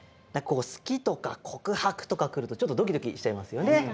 「好き」とか「告白」とかくるとちょっとドキドキしちゃいますよね。